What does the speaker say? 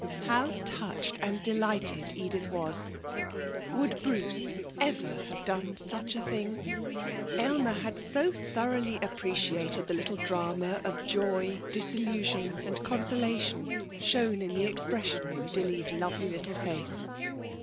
How touched and delighted Edith was! Would Bruce ever have done such a thing? Aylmer had so thoroughly appreciated the little drama of joy, disillusion and consolation shown in the expression in Dilly's lovely little face.